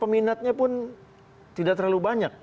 peminatnya pun tidak terlalu banyak